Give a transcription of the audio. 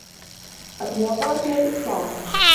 الْمُوَاضَعَةُ وَالْإِصْلَاحُ